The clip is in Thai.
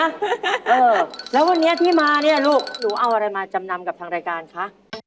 เออแล้ววันนี้ที่มาเนี่ยลูกหนูเอาอะไรมาจำนำกับทางรายการคะ